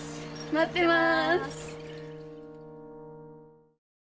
待ってます！